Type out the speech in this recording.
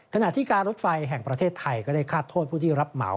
ขณะที่การรถไฟแห่งประเทศไทยก็ได้คาดโทษผู้ที่รับเหมา